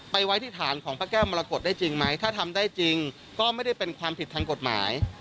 ไว้ที่ฐานของพระแก้วมรกฏได้จริงไหมถ้าทำได้จริงก็ไม่ได้เป็นความผิดทางกฎหมาย